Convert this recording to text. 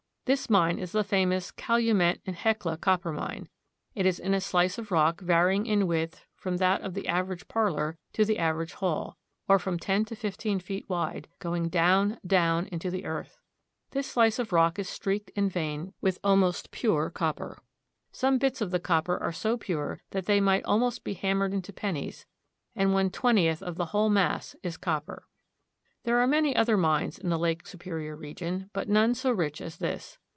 This mine is the famous Calumet and Hecla copper mine. It is in a slice of rock varying in width from that of the average parlor to the average hall, or from ten to fifteen feet wide, going down, down into the earth. This slice of rock is streaked and veined with almost pure copper. Some bits of the copper are so pure that they might al most be hammered into pennies, and one twentieth of the whole mass is copper. There are many other mines in the Lake Superior region, but none so rich as this.